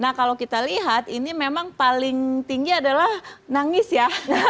nah kalau kita lihat ini memang paling tinggi adalah nangis ya